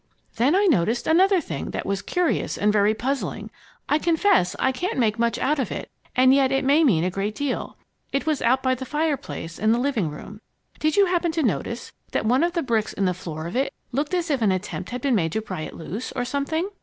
"Then I noticed another thing that was curious and very puzzling. I confess, I can't make much out of it, and yet it may mean a great deal. It was out by the fireplace in the living room. Did you happen to notice that one of the bricks in the floor of it looked as if an attempt had been made to pry it loose, or something?